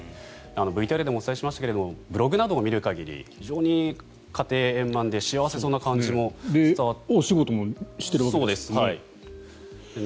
ＶＴＲでお伝えしましたけどブログなどを見る限り非常に家庭円満で幸せそうな感じも伝わって。